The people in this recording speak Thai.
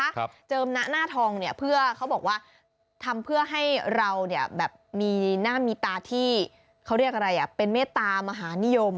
ครับเจิมหน้าหน้าทองเนี่ยเพื่อเขาบอกว่าทำเพื่อให้เราเนี่ยแบบมีหน้ามีตาที่เขาเรียกอะไรอ่ะเป็นเมตตามหานิยม